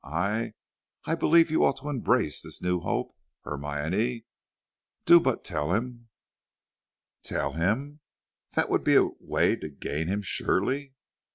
I I believe you ought to embrace this new hope, Hermione. Do but tell him " "Tell him! that would be a way to gain him surely."